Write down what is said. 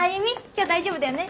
今日大丈夫だよね？